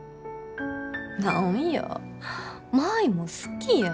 何や舞も好きやん。